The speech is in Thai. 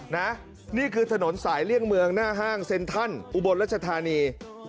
นี่คือถนนสายเลี่ยงเมืองหน้าห้างเซ็นทันอุบลรัชธานี